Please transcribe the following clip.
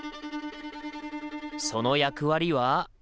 その役割は？